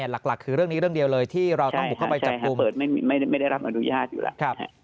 หลักคือเรื่องนี้เรื่องเดียวเลยที่เราต้องบุกเข้าไปจับครูเบิร์ตไม่ได้รับอนุญาตอยู่แล้ว